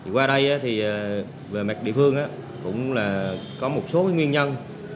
qua đây thì về mặt địa phương cũng là có một số nguyên nhân